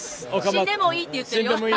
死んでもいいって言ってる。